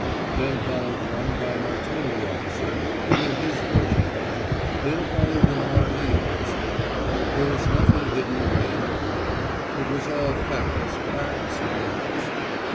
Then followed one by an artillery officer, giving his version of it; then followed an R.E. officer. There was nothing hidden away in a corner. It was all facts, facts, facts.